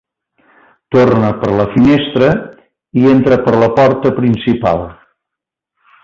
Torna per la finestra i entra per la porta principal.